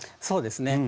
そうですね。